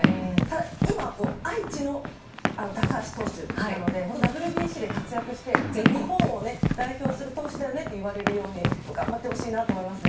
今、愛知の高橋投手なのでＷＢＣで活躍して日本を代表する投手だよねと言われるように頑張ってほしいなと思いますね。